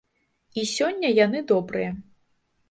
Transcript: І сёння яны добрыя.